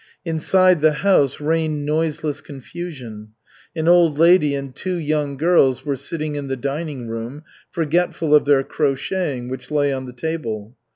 Inside the house reigned noiseless confusion. An old lady and two young girls were sitting in the dining room, forgetful of their crocheting, which lay on the table.